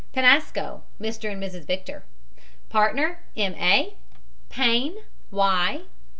PENASCO, MR. AND MRS. VICTOR. PARTNER, M. A. PAYNE, Y.